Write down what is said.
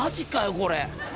これ。